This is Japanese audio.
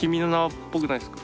っぽくないですか？